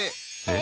え？